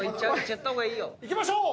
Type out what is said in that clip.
怖い！いきましょう！